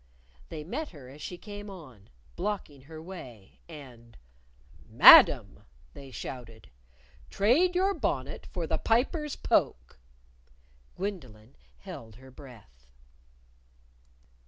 They met her as she came on, blocking her way. And, "Madam!" They shouted. "Trade your bonnet for the Piper's poke!" Gwendolyn held her breath.